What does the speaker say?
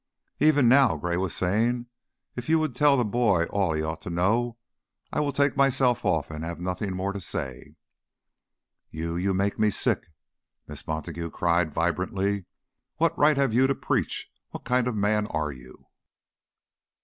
"Even now," Gray was saying, "if you would tell the boy all he ought to know, I would take myself off and have nothing more to say." "You you make me sick!" Miss Montague cried, vibrantly. "What right have you to preach? What kind of a man are you?